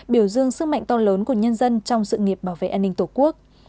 biểu dương sức mạnh to lớn của nhân dân trong sự nghiệp bảo vệ an ninh tổ quốc